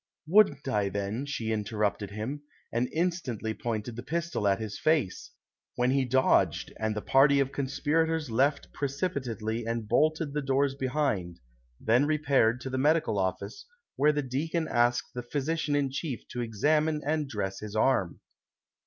" "Wouldn't I, then," she interrupted him, and instantly pointed the pistol at his face, when he dodged, and the party of conspirators left precipitately and bolted the doors behind, then repaired to the medical office, where the deacon asked the physician in chief to examine and dress his arm.